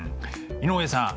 井上さん